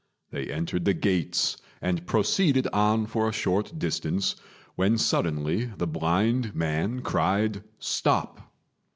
They entered the gates and proceeded on for a short distance, when suddenly the blind man cried, "Stop!"